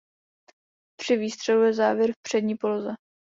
Při výstřelu je závěr v přední poloze.